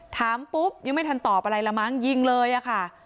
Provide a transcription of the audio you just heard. ถามปุ๊บยังไม่ทันตอบอะไรละมั้งยิงเลยอะค่ะ